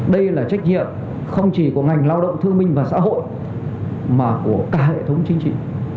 đây là trách nhiệm không chỉ của ngành lao động thương minh và xã hội mà của cả hệ thống chính trị